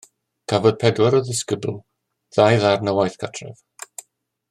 Cafodd pedwar disgybl ddau ddarn o waith cartref